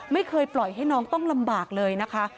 ไม่เคยปล่อยให้น้องต้องลำบากเลยนะคะ